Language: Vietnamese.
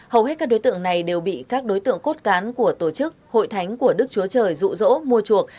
hầu hết các đối tượng này đều bị các đối tượng cốt cán của tổ chức hội thánh của đức chúa trời rụ rỗ mua chuộc